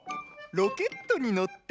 ロケットにのって！